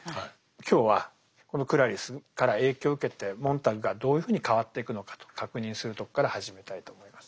今日はこのクラリスから影響を受けてモンターグがどういうふうに変わっていくのかと確認するとこから始めたいと思います。